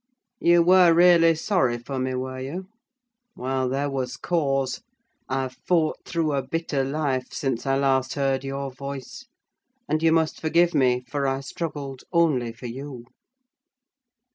You were really sorry for me, were you? Well, there was cause. I've fought through a bitter life since I last heard your voice; and you must forgive me, for I struggled only for you!"